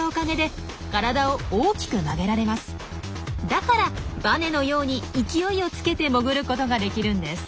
だからバネのように勢いをつけて潜ることができるんです。